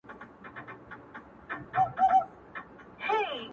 ښه دی چي لونگ چي تور دی لمبې کوي